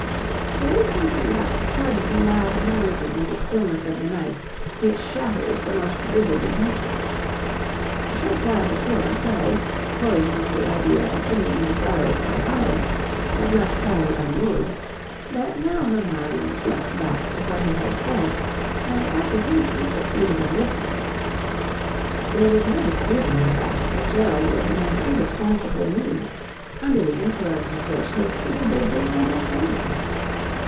There is something about sudden, loud noises in the stillness of the night which shatters the most rigid detachment. A short while before, Gerald, toying with the idea of ending his sorrows by violence, had left Sally unmoved: but now her mind leapt back to what he had said, and apprehension succeeded indifference. There was no disputing the fact that Gerald was in an irresponsible mood, under the influence of which he was capable of doing almost anything.